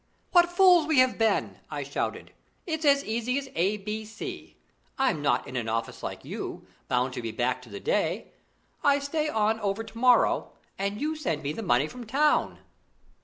"What fools we have been!" I shouted. "It's as easy as A B C. I'm not in an office like you, bound to be back to the day I stay on over to morrow, and you send me on the money from town."